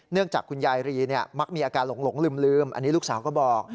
จากคุณยายรีมักมีอาการหลงลืมอันนี้ลูกสาวก็บอก